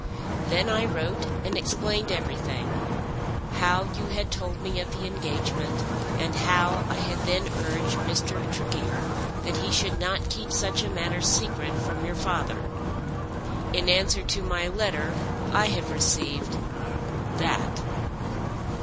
Then I wrote and explained everything, how you had told me of the engagement, and how I had then urged Mr. Tregear that he should not keep such a matter secret from your father. In answer to my letter I have received that."